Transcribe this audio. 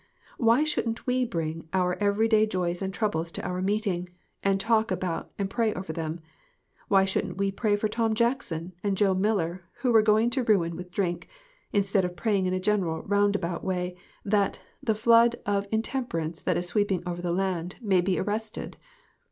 Why shouldn't we bring our every day joys and troubles to our meetings, and talk and pray over them ? Why shouldn't we pray for Tom Jackson and Joe Miller, who were going to ruin with drink, instead of praying in a general, roundabout way, that "the flood of intern 38 GOOD BREAD AND GOOD MEETINGS. perance that is sweeping over the land may be arrested